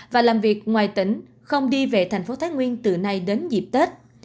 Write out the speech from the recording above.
và làm việc ngoài tỉnh không đi về thành phố thái nguyên từ nay đến dịp tết